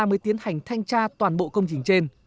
mới tiến hành thanh tra toàn bộ công trình trên